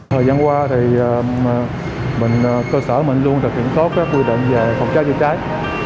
thời gian qua thì mình cơ sở mình luôn thực hiện tốt các quy định về phòng cháy chữa cháy